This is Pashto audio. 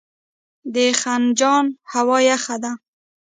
د خنجان هوا یخه ده